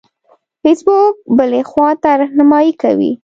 فیسبوک بلې خواته رهنمایي کوي.